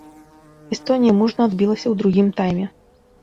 Эстонія мужна адбілася ў другім тайме.